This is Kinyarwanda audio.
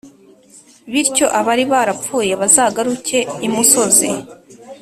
bityo abari barapfuye bazagaruke imusozi.